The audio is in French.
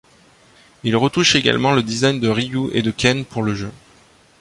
Il retouche également le design de Ryu et de Ken pour le jeu.